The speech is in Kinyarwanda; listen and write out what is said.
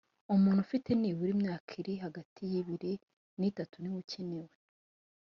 umuntu ufite nibura imyaka iri hagati y’ ibiri ni itanu niwe ucyenewe